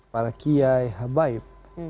para kiai habaib